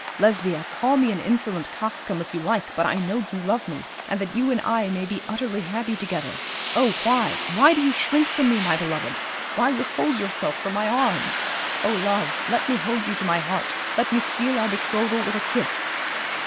Lesbia, call me an insolent coxcomb if you like, but I know you love me, and that you and I may be utterly happy together. Oh, why why do you shrink from me, my beloved; why withhold yourself from my arms! Oh, love, let me hold you to my heart let me seal our betrothal with a kiss!'